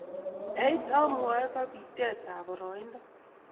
let amwaeko Petet aporoindo